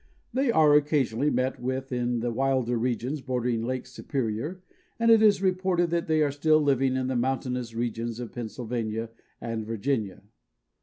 They are occasionally met with in the wilder regions bordering Lake Superior, and it is reported that they are still living in the mountainous regions of Pennsylvania and Virginia.